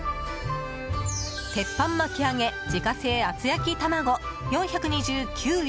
鉄板巻上げ自家製厚焼玉子４２９円。